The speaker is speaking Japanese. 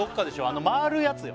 あの回るやつよ